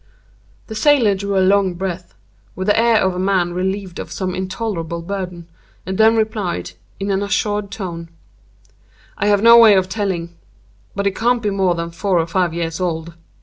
The sailor drew a long breath, with the air of a man relieved of some intolerable burden, and then replied, in an assured tone: "I have no way of telling—but he can't be more than four or five years old.